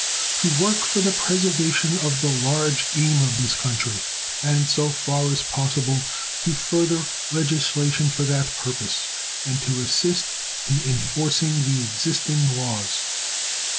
To work for the preservation of the large game of this country, and, so far as possible, to further legislation for that purpose, and to assist in enforcing the existing laws.